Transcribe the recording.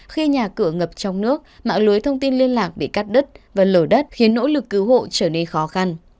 khi nhà cửa ngập trong nước mạng lưới thông tin liên lạc bị cắt đứt và lở đất khiến nỗ lực cứu hộ trở nên khó khăn